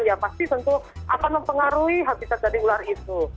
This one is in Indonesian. ya pasti tentu akan mempengaruhi habitat dari ular itu